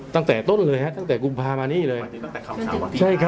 ตั้งแต่ต้นเลยครับตั้งแต่กรุงภาพเนี่ย